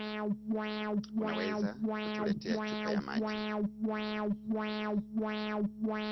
Unaweza kutuletea chupa ya maji?